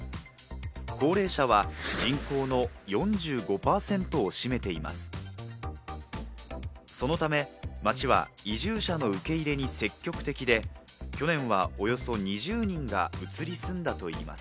高齢者は人口の４５％を占めています。